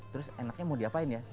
terus enaknya mau diapain ya